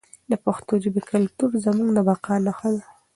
د پښتو ژبې کلتور زموږ د بقا نښه ده.